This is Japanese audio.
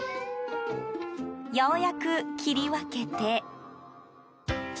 ようやく切り分けて。